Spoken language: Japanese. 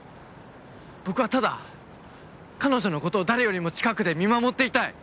僕はただ彼女のことを誰よりも近くで見守っていたい。